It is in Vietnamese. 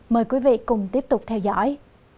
mời quý vị cùng tiếp tục theo dõi